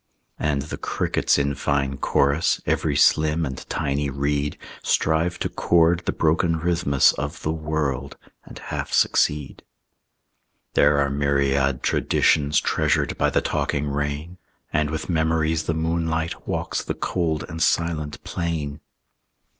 And the crickets in fine chorus Every slim and tiny reed Strive to chord the broken rhythmus Of the world, and half succeed. There are myriad traditions Treasured by the talking rain; And with memories the moonlight Walks the cold and silent plain.